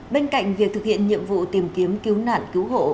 bên cạnh việc thực hiện nhiệm vụ tìm kiếm cứu nạn cứu hộ